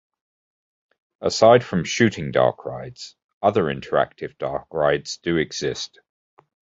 Aside from shooting dark rides, other interactive dark rides do exist.